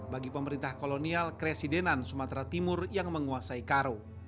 bagi pemerintah kolonial kresidenan sumatera timur yang menguasai karo